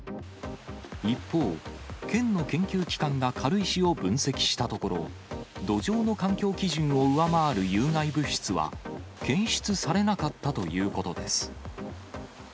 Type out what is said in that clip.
一方、県の研究機関が軽石を分析したところ、土壌の環境基準を上回る有害物質は、検出されなかったということです。